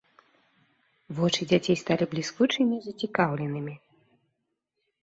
Вочы дзяцей сталі бліскучымі і зацікаўленымі.